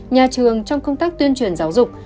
nhà trường trong công tác tuyên truyền giáo dục